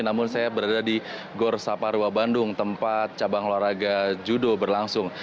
namun saya berada di gor saparua bandung tempat cabang olahraga judo berlangsung